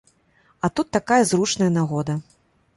А тут такая зручная нагода.